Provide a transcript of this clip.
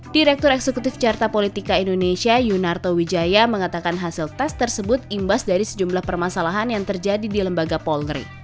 direktur eksekutif carta politika indonesia yunarto wijaya mengatakan hasil tes tersebut imbas dari sejumlah permasalahan yang terjadi di lembaga polri